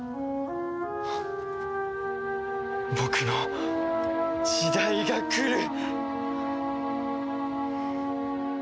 僕の時代がくる！